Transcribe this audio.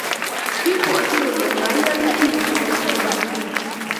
kimwoch kole maiyan ket nemwae kanetindet